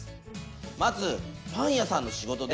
まずパン屋さんの仕事で。